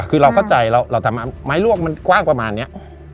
คือเราก็เข้าใจไม้ลวกมันกว้างประมาณนี้